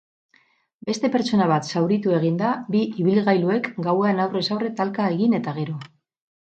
Beste pertsona bat zauritu eginda bi ibilgailuek gauean aurrez aurre talkaegin eta gero.